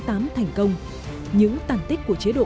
thành công những tàn tích của chế độ